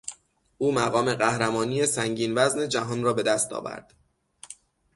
او مقام قهرمانی سنگین وزن جهان را به دست آورد.